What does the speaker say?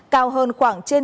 cao hơn khoảng trên